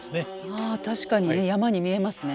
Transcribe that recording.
あ確かに山に見えますね。